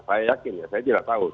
saya yakin ya saya tidak tahu